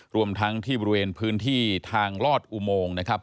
รวมทั้งที่บริเวณพื้นที่ทางลอดอุโมงนะครับ